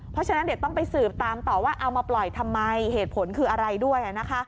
เพราะฉะนั้นเดี๋ยวต้องไปสืบตามต่อว่าเอามาปล่อยทำไมเหตุผลคืออะไรด้วย